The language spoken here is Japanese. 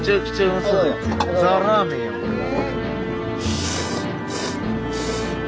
ザラーメンやこれが。